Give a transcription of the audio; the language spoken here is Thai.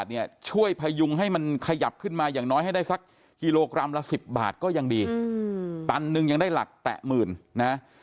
ตันนึงยังได้หลักแตะหมื่นนะ